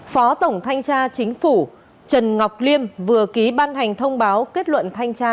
phó tổng thanh tra chính phủ trần ngọc liêm vừa ký ban hành thông báo kết luận thanh tra